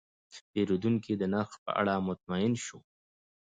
پیرودونکی د نرخ په اړه مطمین شو.